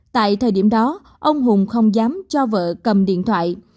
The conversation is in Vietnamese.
tại thời điểm đó ông hùng không dám cho vợ cầm điện thoại